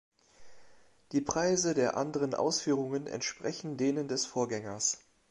Die Preise der anderen Ausführungen entsprechen denen des Vorgängers.